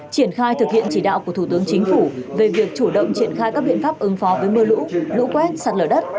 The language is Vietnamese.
triển khai thực hiện chỉ đạo của thủ tướng chính phủ về việc chủ động triển khai các biện pháp ứng phó với mưa lũ lũ quét sạt lở đất